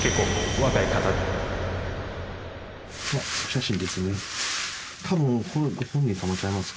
お写真ですね。